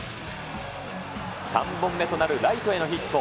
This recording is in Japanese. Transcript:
３本目となるライトへのヒット。